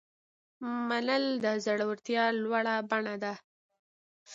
منل د زړورتیا لوړه بڼه ده.